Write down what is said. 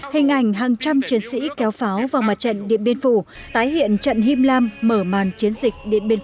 hình ảnh hàng trăm chiến sĩ kéo pháo vào mặt trận điện biên phủ tái hiện trận him lam mở mắt